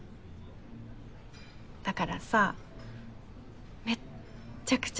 だからさめっちゃくちゃ